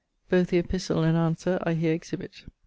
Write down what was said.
Both the epistle and answer I here exhibite.